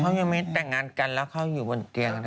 เขายังไม่แต่งงานกันแล้วเขาอยู่บนเตียง